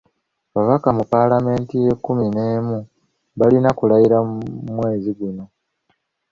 Ababaka mu Palamenti y'e kkumi n'emu balina kulayira mwezi guno.